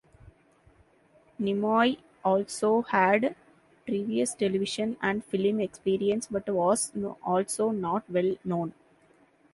Nimoy also had previous television and film experience but was also not well known.